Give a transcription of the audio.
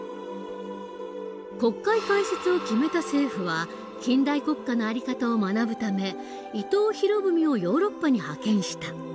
国会開設を決めた政府は近代国家の在り方を学ぶため伊藤博文をヨーロッパに派遣した。